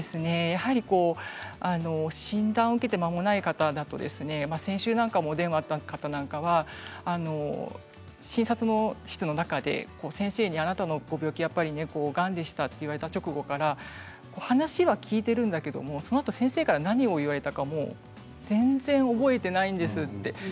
やはり診断を受けてまもない方だと先週もお電話があった方は診察室の中で先生にあなたのご病気はがんでしたと言われた直後から話は聞いているんだけどそのあと先生から何を言われたのか全然、覚えていないんですと。